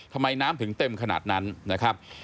ทำไมน้ำถึงเต็มขนาดนั้นนะครับ